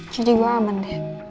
jadi gua aman deh